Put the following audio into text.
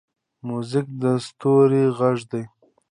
موزیک د ستوریو غږ دی.